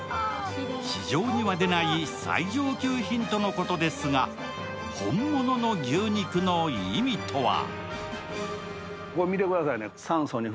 市場には出ない最上級品とのことですが、本物の牛肉の意味とは。